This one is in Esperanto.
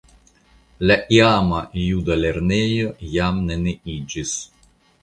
La iama juda lernejo jam neniiĝis.